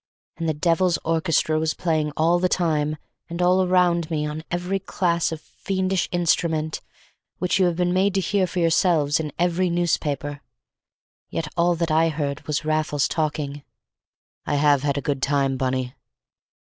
And the devil's orchestra was playing all the time, and all around me, on every class of fiendish instrument, which you have been made to hear for yourselves in every newspaper. Yet all that I heard was Raffles talking. "I have had a good time, Bunny."